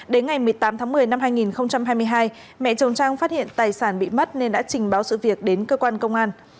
đến ngày một mươi tám tháng một mươi năm hai nghìn hai mươi hai mẹ chồng trang phát hiện tài sản bị mất nên đã trình báo sự việc đến cơ quan công an